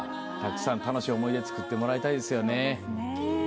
たくさん楽しい思い出を作ってもらいたいですね。